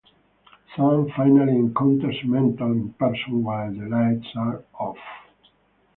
Sam finally encounters Mental in person while the lights are off.